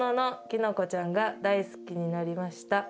「きのこちゃんが大好きになりました」